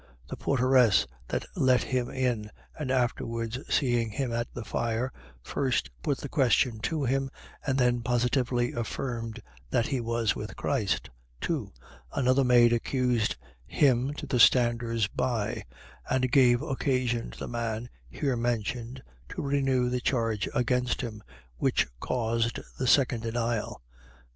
The porteress that let him in, and afterwards seeing him at the fire, first put the question to him; and then positively affirmed that he was with Christ. 2. Another maid accused him to the standers by; and gave occasion to the man here mentioned to renew the charge against him, which caused the second denial.